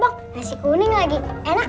bang bang mau dikemanain bang